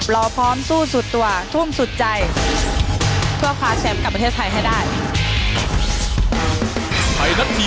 รอพร้อมสู้สุดตัวทุ่มสุดใจ